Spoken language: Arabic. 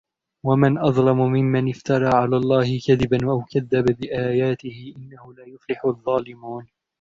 ومن أظلم ممن افترى على الله كذبا أو كذب بآياته إنه لا يفلح الظالمون